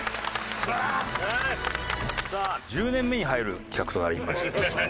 １０年目に入る企画となりました。